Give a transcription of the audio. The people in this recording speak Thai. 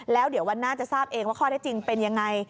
แล้วเดี๋ยววันหน้าจะทราบเองว่าข้อได้จริงเป็นยังไง